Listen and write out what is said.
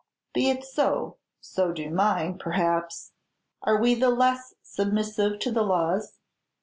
"Be it so, so do mine, perhaps. Are we the less submissive to the laws?"